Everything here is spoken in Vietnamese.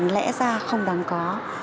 lẽ ra không đáng có